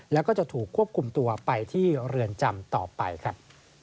แล้วก็จะถูกควบคุมตัวไปที่เรือนจำต่อไปครับ